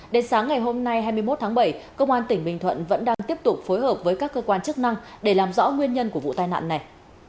đến sáng ngày hôm nay hai mươi một tháng bảy công an tỉnh bình thuận vẫn đang tiếp tục phối hợp với các cơ quan chức năng để làm rõ nguyên nhân của vụ tai nạn này